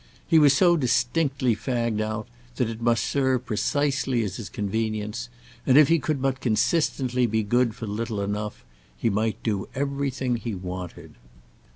He was so distinctly fagged out that it must serve precisely as his convenience, and if he could but consistently be good for little enough he might do everything he wanted.